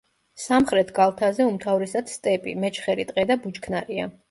სამხრეთ კალთაზე უმთავრესად სტეპი, მეჩხერი ტყე და ბუჩქნარია.